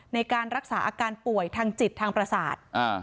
ในการรักษาอาการป่วยทางจิตทางประสาท